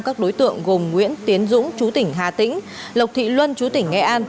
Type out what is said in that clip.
các đối tượng gồm nguyễn tiến dũng chú tỉnh hà tĩnh lộc thị luân chú tỉnh nghệ an